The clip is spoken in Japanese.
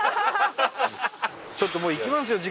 ちょっともう行きますよ